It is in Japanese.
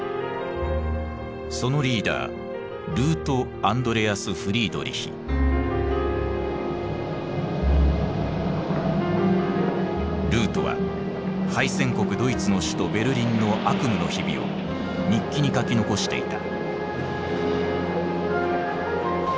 そのリーダールートは敗戦国ドイツの首都ベルリンの悪夢の日々を日記に書き残していた。